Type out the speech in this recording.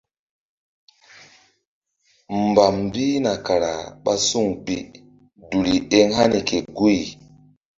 Mbam mbihna kara ɓa suŋ pi duli eŋ hani ke guy.